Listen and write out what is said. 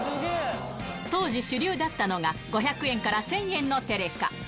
当時、主流だったのが、５００円から１０００円のテレカ。